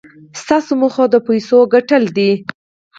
ستاسې موخه د پيسو ګټل دي.